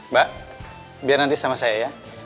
mbak biar nanti sama saya ya